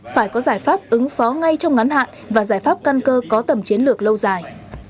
phải có giải pháp ứng phó ngay trong ngắn hạn và giải pháp căn cơ có tầm chiến lược lâu dài